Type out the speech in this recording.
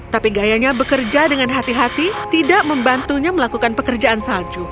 tapi gayanya bekerja dengan hati hati tidak membantunya melakukan pekerjaan salju